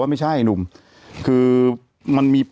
แต่หนูจะเอากับน้องเขามาแต่ว่า